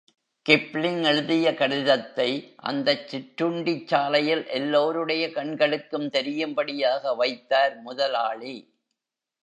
Kipling எழுதிய கடிதத்தை, அந்தச் சிற்றுண்டிச் சாலையில் எல்லோருடைய கண்களுக்கும் தெரியும்படியாக வைத்தார் முதலாளி.